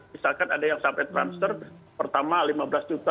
misalkan ada yang sampai transfer pertama lima belas juta